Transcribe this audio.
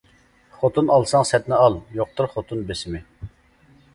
خوتۇن ئالساڭ سەتنى ئال، يوقتۇر خوتۇن بېسىمى.